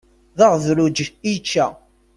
D aɣedluj i yečča.